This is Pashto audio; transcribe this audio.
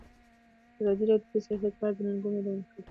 ازادي راډیو د سیاست په اړه د ننګونو یادونه کړې.